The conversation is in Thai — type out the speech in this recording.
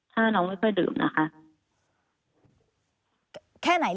ถ้าน้องไม่ค่อยดื่มนะคะ